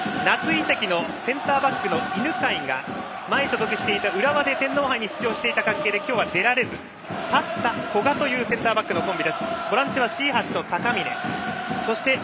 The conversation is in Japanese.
センターバックの犬飼が前所属していた浦和で天皇杯に出場していた関係で今日は出られず、立田と古賀のセンターバックのコンビ。